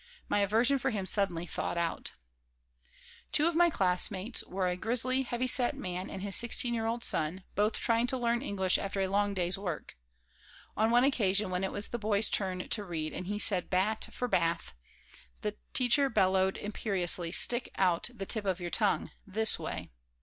my aversion for him suddenly thawed out Two of my classmates were a grizzly, heavy set man and his sixteen year old son, both trying to learn English after a long day's work. On one occasion, when it was the boy's turn to read and he said "bat" for "bath," the teacher bellowed, imperiously: "Stick out the tip of your tongue! This way."